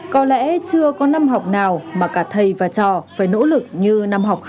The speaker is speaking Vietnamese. có lẽ chưa có năm học nào mà cả thầy và trò phải nỗ lực như năm học hai nghìn hai mươi hai nghìn hai mươi một